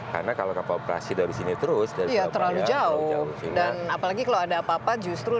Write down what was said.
karena kalau kapal operasi dari sini terus dari bawah belakang dari sini terus